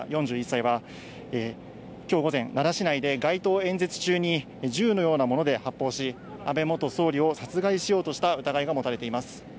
４１歳は、きょう午前、奈良市内で街頭演説中に、銃のようなもので発砲し、安倍元総理を殺害しようとした疑いが持たれています。